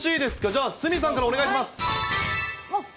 じゃあ、鷲見さんからお願いします。